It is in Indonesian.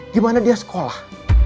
gimana dia sekolah